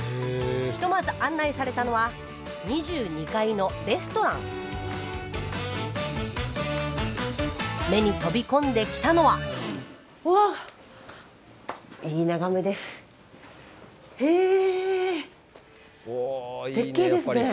ひとまず案内されたのは２２階のレストラン目に飛び込んできたのはへえ。